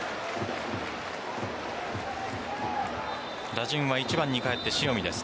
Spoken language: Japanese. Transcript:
打順は１番に返って塩見です。